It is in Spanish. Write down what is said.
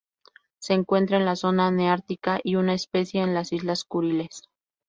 Se encuentra en la zona neártica y una especie en las islas Kuriles.